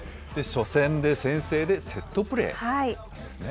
初戦で先制でセットプレーですね。